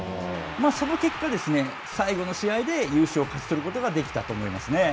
その結果、最後の試合で優勝を勝ち取ることができたと思いますね。